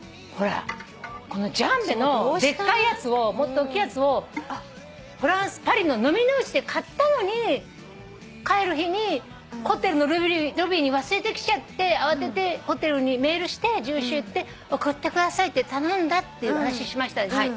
このジャンベのでっかいやつをもっと大きいやつをフランスパリののみの市で買ったのに帰る日にホテルのロビーに忘れてきちゃって慌ててホテルにメールして住所言って送ってくださいって頼んだっていう話しましたでしょ。